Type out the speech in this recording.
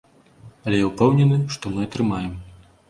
Але я ўпэўнены, што мы атрымаем.